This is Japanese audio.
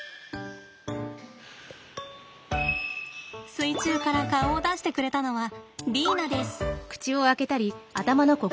水中から顔を出してくれたのはリーナです。